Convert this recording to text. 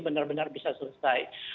benar benar bisa selesai